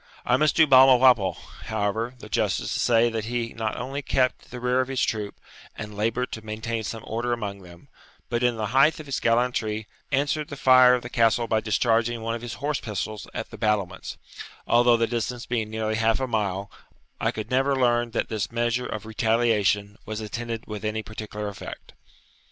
I must do Balmawhapple, however, the justice to say that he not only kept the rear of his troop, and laboured to maintain some order among them, but, in the height of his gallantry, answered the fire of the Castle by discharging one of his horse pistols at the battlements; although, the distance being nearly half a mile, I could never learn that this measure of retaliation was attended with any particular effect.